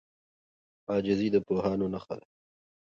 عاجزي د پوهانو نښه ده.